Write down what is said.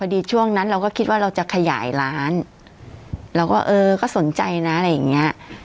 ช่วงนั้นเราก็คิดว่าเราจะขยายร้านเราก็เออก็สนใจนะอะไรอย่างเงี้ย